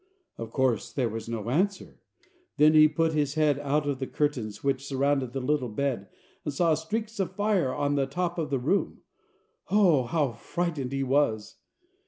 Of course there was no answer. Then he put his head out of the curtains which surrounded his little bed, and saw streaks of fire on the top of the room. Oh, how frightened he was!